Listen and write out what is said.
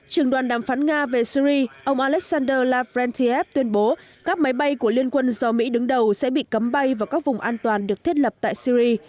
trường đoàn đàm phán nga về syri ông alexander lavrentiev tuyên bố các máy bay của liên quân do mỹ đứng đầu sẽ bị cấm bay vào các vùng an toàn được thiết lập tại syri